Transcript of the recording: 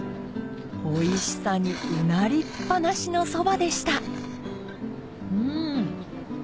おいしさにうなりっぱなしのそばでしたうん！